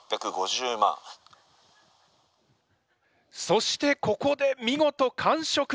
そしてここで見事完食！